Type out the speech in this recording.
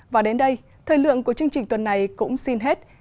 và đến đây thời lượng của chương trình tuần này cũng xin hết